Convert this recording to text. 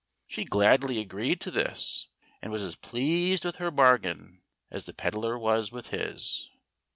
She gladly agreed to this, and was as pleased with her bargain as the pedlar was with his.